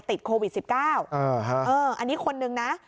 ติดโควิด๑๙อันนี้คนนึงนะ